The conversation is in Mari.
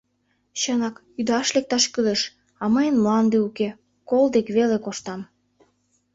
Чынак, ӱдаш лекташ кӱлеш, а мыйын мланде уке, кол дек веле коштам.